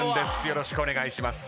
よろしくお願いします。